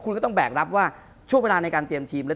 คุณผู้ชมบางท่าอาจจะไม่เข้าใจที่พิเตียร์สาร